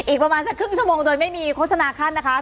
อีกประมาณสักครึ่งชั่วโมงโดยไม่มีโฆษณาขั้นนะคะ